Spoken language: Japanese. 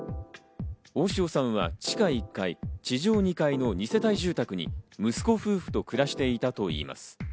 大塩さんは地下１階・地上２階の２世帯住宅に、息子夫婦と暮らしていたといいます。